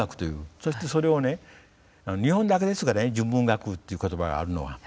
そしてそれをね日本だけですがね「純文学」っていう言葉があるのは。